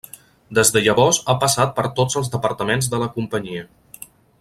Des de llavors ha passat per tots els departaments de la companyia.